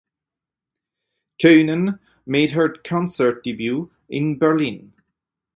Koenen made her concert debut in Berlin.